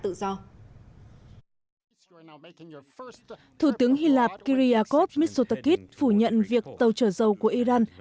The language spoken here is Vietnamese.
thủ tướng hy lạc kiriakop mitsotakis phủ nhận việc tàu trở dâu của iran đang trở dâu